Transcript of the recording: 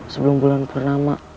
sebelum bulan purnama